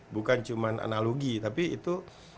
bukan cuma analogi tapi itu